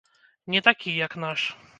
Не такі, як наш.